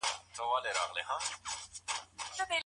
د اسلام له مخي د بې وزلو خلګو په مال کي حق سته.